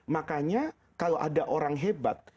makanya kalau ada orang hebat